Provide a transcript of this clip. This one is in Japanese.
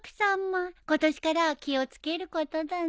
今年からは気を付けることだね。